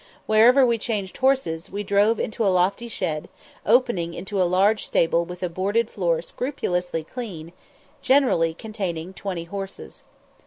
Wherever we changed horses, we drove into a lofty shed, opening into a large stable with a boarded floor scrupulously clean, generally containing twenty horses.